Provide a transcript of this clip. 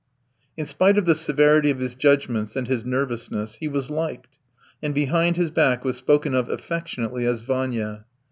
In spite of the severity of his judgments and his nervousness, he was liked, and behind his back was spoken of affectionately as Vanya.